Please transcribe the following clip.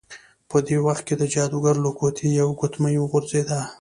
په دې وخت کې د جادوګر له ګوتې یوه ګوتمۍ وغورځیده.